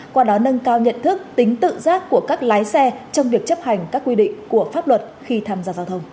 qua đó nâng cao nhận thức tính tự giác của các lái xe trong việc chấp hành các quy định của pháp luật khi tham gia giao thông